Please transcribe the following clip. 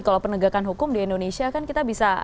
kalau penegakan hukum di indonesia kan kita bisa